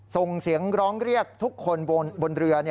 ส่งเสียงร้องเรียกทุกคนบนเรือ